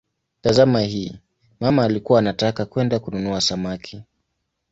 Tazama hii: "mama alikuwa anataka kwenda kununua samaki".